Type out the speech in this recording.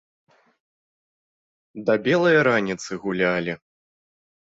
Да белае раніцы гулялі.